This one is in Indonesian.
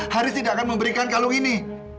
haris tidak akan memberikan kalung ini